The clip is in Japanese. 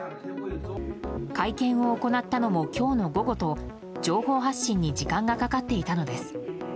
会見を行ったのも今日の午後と情報発信に時間がかかっていたのです。